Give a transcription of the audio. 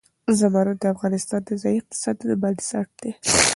زمرد د افغانستان د ځایي اقتصادونو بنسټ دی.